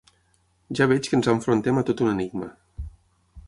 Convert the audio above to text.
Ja veig que ens enfrontem a tot un enigma.